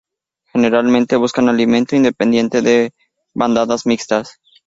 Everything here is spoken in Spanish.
Generalmente buscan alimento independientemente de bandadas mixtas.